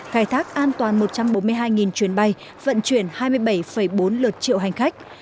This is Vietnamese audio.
khai thác an toàn một trăm bốn mươi hai chuyến bay vận chuyển hai mươi bảy bốn lượt triệu hành khách